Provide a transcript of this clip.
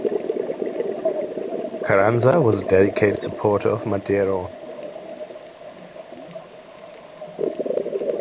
Carranza was a dedicated supporter of Madero.